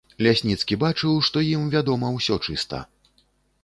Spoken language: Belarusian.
Лясніцкі бачыў, што ім вядома ўсё чыста.